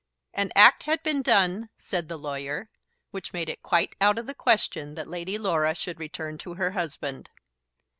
An act had been done, said the lawyer, which made it quite out of the question that Lady Laura should return to her husband.